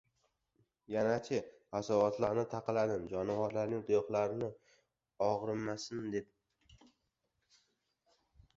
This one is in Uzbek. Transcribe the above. Yana-chi, asov otlarni taqaladim — jonivorlarning tuyoqqinalari og‘rimasin deb.